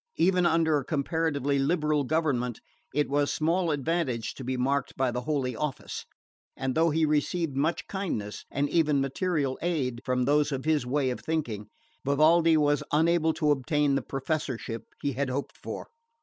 Even under a comparatively liberal government it was small advantage to be marked by the Holy Office; and though he received much kindness, and even material aid, from those of his way of thinking, Vivaldi was unable to obtain the professorship he had hoped for.